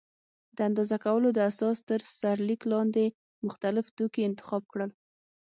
د اندازه کولو د اساس تر سرلیک لاندې مختلف توکي انتخاب کړل.